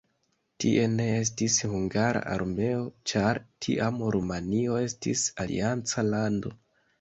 Tie ne estis hungara armeo, ĉar tiam Rumanio estis alianca lando.